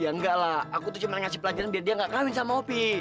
ya enggak lah aku tuh cuma ngasih pelajaran biar dia nggak kawin sama hopi